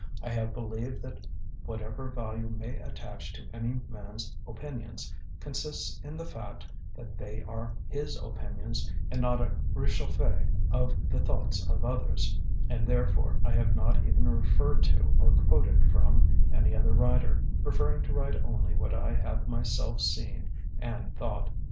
I have believed that whatever value may attach to any man's opinions consists in the fact that they are his opinions, and not a rechauffé of the thoughts of others, and therefore I have not even referred to, or quoted from, any other writer, preferring to write only what I have myself seen and thought.